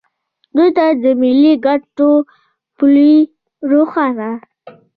دوی ته د ملي ګټو پولې روښانه